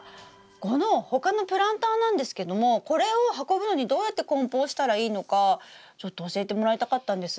この他のプランターなんですけどもこれを運ぶのにどうやってこん包したらいいのかちょっと教えてもらいたかったんです。